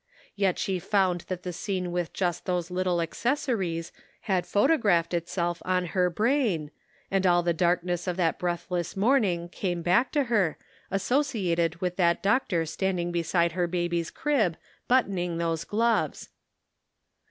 Yet she found that the scene with just those little accessaries had photographed itself on her brain, and all the darkness of that breathless morning came back to her, associated with that doctor standing beside her baby's crib, button ing those gloves.